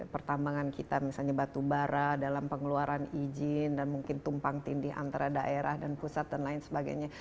pertambangan kita misalnya batubara dalam pengeluaran izin dan mungkin tumpang tindih antara daerah dan pusat dan lain sebagainya